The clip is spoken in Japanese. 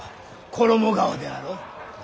衣川であろう。